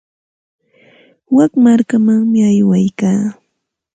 Wik markamanmi aywaykaa.